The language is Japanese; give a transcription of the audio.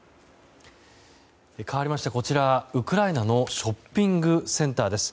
かわりましてウクライナのショッピングセンターです。